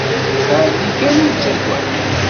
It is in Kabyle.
Ɛeddi kan ur ttagad.